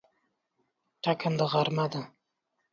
ټکنده غرمه ده